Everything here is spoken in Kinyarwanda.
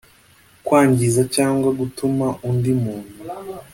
kwangiza cyangwa gutuma undi muntu